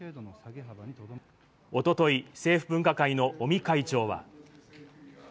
おととい、政府分科会の尾身会長は。